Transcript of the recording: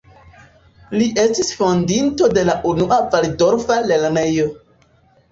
Li estis fondinto de la unua valdorfa lernejo.